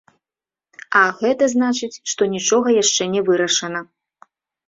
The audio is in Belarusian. А гэта значыць, што нічога яшчэ не вырашана.